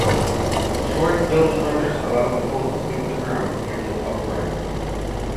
Short bilge runners allow the boat to take the ground nearly upright.